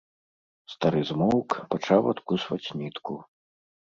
Стары змоўк, пачаў адкусваць нітку.